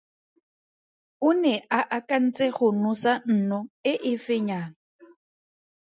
O ne a akantse go nosa nno e e fenyang.